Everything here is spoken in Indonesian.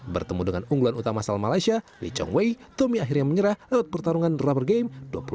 bertemu dengan unggulan utama salam malaysia le chong wei tommy akhirnya menyerah lewat pertarungan rubber game dua puluh satu tiga belas sepuluh dua puluh satu